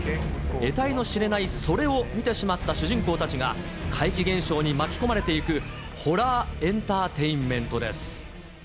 えたいの知れないそれを見てしまった主人公たちが、怪奇現象に巻き込まれていくホラーエンターテインメントです。